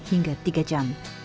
hingga tiga jam